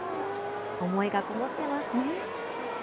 思いがこもってます。